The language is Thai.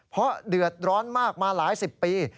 เพราะเดือดร้อนมากมาหลายสิบปี